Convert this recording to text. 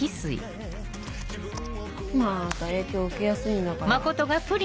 また影響受けやすいんだから。